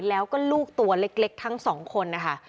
แล้วก็ลูกตัวเล็กทั้งสองคนนะคะ